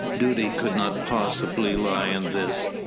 Duty could not possibly lie in this.